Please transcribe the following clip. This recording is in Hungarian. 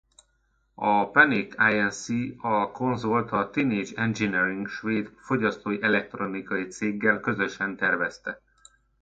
A Panic Inc. a konzolt a Teenage Engineering svéd fogyasztói elektronikai céggel közösen tervezte.